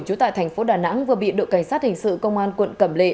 trú tại thành phố đà nẵng vừa bị đội cảnh sát hình sự công an quận cẩm lệ